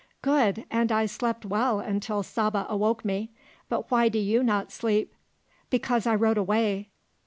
"Good, and I slept well until Saba awoke me. But why do you not sleep?" "Because I rode away."